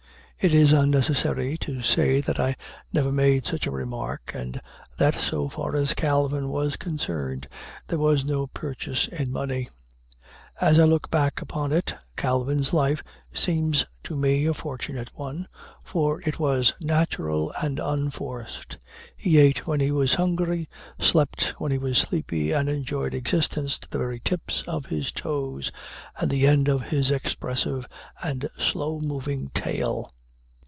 It is unnecessary to say that I never made such a remark, and that, so far as Calvin was concerned, there was no purchase in money. As I look back upon it, Calvin's life seems to me a fortunate one, for it was natural and unforced. He ate when he was hungry, slept when he was sleepy, and enjoyed existence to the very tips of his toes and the end of his expressive and slow moving tail.